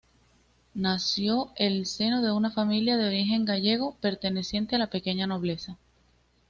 Nació el seno de una familia de origen gallego perteneciente a la pequeña nobleza.